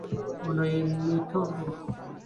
Ono ye Metobo.